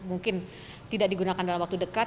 mungkin tidak digunakan dalam waktu dekat